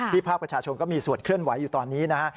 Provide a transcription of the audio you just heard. ภาคประชาชนก็มีส่วนเคลื่อนไหวอยู่ตอนนี้นะฮะ